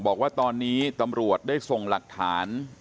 บอกว่าตอนนี้ตำรวจได้ส่งหลักฐาน